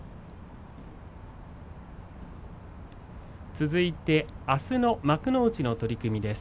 続いてあすの幕内の取組です。